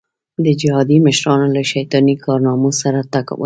د جهادي مشرانو له شیطاني کارنامو سر وټکاوه.